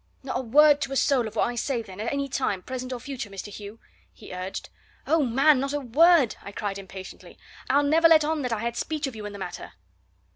"Not a word to a soul of what I say, then, at any time, present or future, Mr. Hugh?" he urged. "Oh, man, not a word!" I cried impatiently. "I'll never let on that I had speech of you in the matter!"